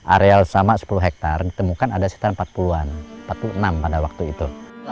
areal sama sepuluh hektare ditemukan ada sekitar empat puluh an empat puluh enam pada waktu itu